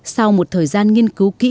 sau một thời gian nghiên cứu